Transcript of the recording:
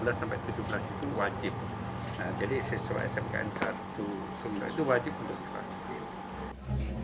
jadi siswa smkn satu sumedep itu wajib untuk divaksin